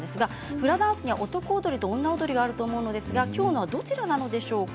フラダンスには男踊りと女踊りがあると思うのですがきょうのはどちらですか？